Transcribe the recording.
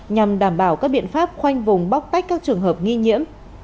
nhằm đảm bảo các biện pháp khoanh vùng bóc tách các trường hợp nghi nhiễm